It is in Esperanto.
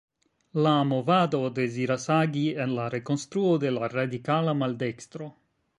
La movado deziras agi en la rekonstruo de la radikala maldekstro.